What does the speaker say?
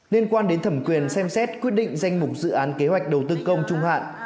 liên quan đến thẩm quyền xem xét quyết định danh mục dự án kế hoạch đầu tư công trung hạn